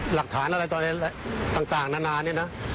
หลักฐานอะไรต่างนานาเนี่ยนะ